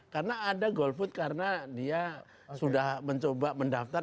karena ada golput karena dia sudah mencoba mendaftar